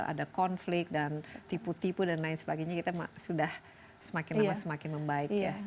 ada konflik dan tipu tipu dan lain sebagainya kita sudah semakin lama semakin membaik ya